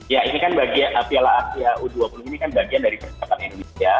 ya ini kan bagian piala asia u dua puluh ini kan bagian dari persiapan indonesia